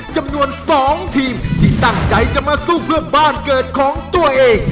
จำนวน๒ทีมที่ตั้งใจจะมาสู้เพื่อบ้านเกิดของตัวเอง